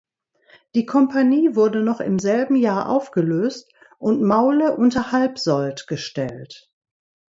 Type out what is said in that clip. Die Kompanie wurde noch im selben Jahr aufgelöst und Maule unter Halbsold gestellt.